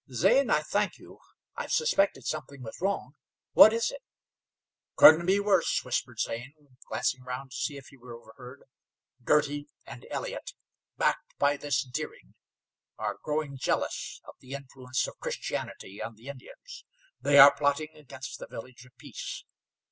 "Zane, I thank you. I've suspected something was wrong. What is it?" "Couldn't be worse," whispered Zane, glancing round to see if they were overheard. "Girty and Elliott, backed by this Deering, are growing jealous of the influence of Christianity on the Indians. They are plotting against the Village of Peace.